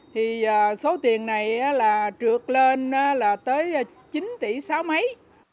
thì số tiền này là trượt lên là tới chín tỷ sáu mấy